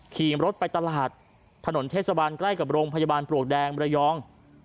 ขี่รถไปตลาดถนนเทศบาลใกล้กับโรงพยาบาลปลวกแดงระยอง